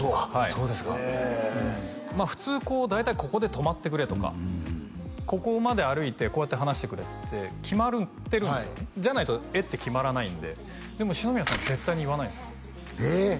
そうですか普通こう大体ここで止まってくれとかここまで歩いてこうやって話してくれって決まってるんですよじゃないと画って決まらないんででも四宮さん絶対に言わないんですよえっ？